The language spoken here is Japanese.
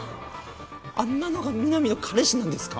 あんなのがみなみの彼氏なんですか！？